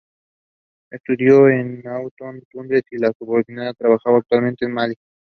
Estudió en Nuakchot, Túnez y la Sorbona y trabajaba actualmente en Malí.